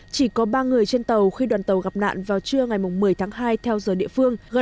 chỉ có ba người trên tàu khi đoàn tàu gặp nạn vào trưa ngày một mươi tháng hai theo giờ địa phương